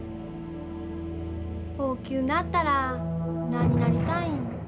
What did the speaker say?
大きゅうなったら何になりたいん？